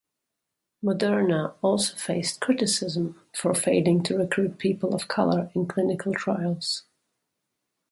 Moderna also faced criticism for failing to recruit people of color in clinical trials.